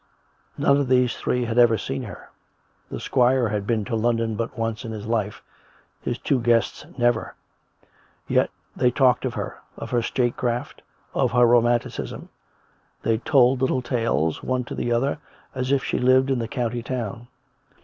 None of these three had ever seen her; the squire had been to London but once in his life, his two guests never. Yet they talked of her, of her state craft, of her romanticism; they told little tales, one to the other, as if she lived in the county town.